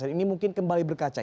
ini mungkin kembali berkaca